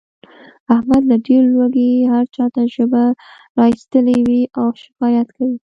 احمد له ډېر لوږې هر چاته ژبه را ایستلې وي او شکایت کوي.